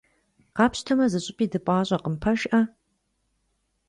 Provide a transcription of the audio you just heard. Къапщтэмэ, зыщӀыпӀи дыпӀащӀэкъым, пэжкъэ?!